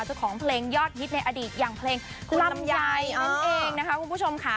เจ้าของเพลงยอดฮิตในอดีตอย่างเพลงคุณลำไยนั่นเองนะคะคุณผู้ชมค่ะ